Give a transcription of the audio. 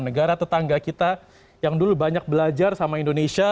negara tetangga kita yang dulu banyak belajar sama indonesia